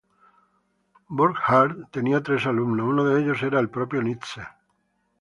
Burckhardt tenía tres alumnos, uno de ellos era el propio Nietzsche.